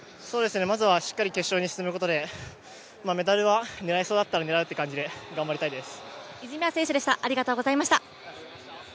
まずはしっかり決勝に進むことで、メダルは狙えそうだったら狙うっていう感じで、頑張りたいです。